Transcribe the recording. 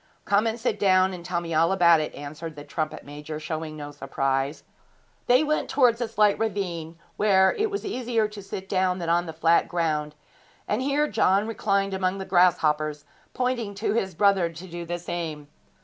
'Come and sit down, and tell me all about it,' answered the trumpet major, showing no surprise. They went towards a slight ravine, where it was easier to sit down than on the flat ground, and here John reclined among the grasshoppers, pointing to his brother to do the same.